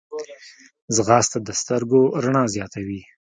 ځغاسته د سترګو رڼا زیاتوي